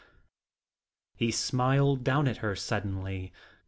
He smiled down at her suddenly.